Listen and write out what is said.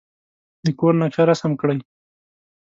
د کور نقشه رسم کړئ.